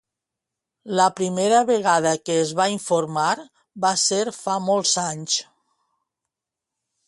La primera vegada que es va informar va ser fa molts anys?